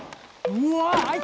うわ！